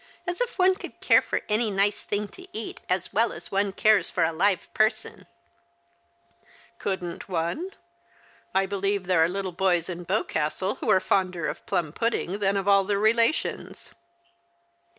As if one could care for any nice thing to eat as well as one cares for a live person ?"" Couldn't one ? I believe there are little boys in Boscastle who are fonder of plum pudding than of all their relations."